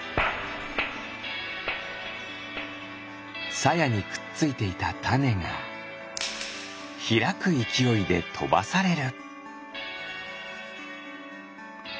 さやにくっついていたたねがひらくいきおいでとばされる。